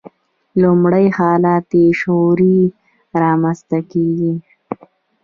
لومړنی حالت یې شعوري رامنځته کېږي.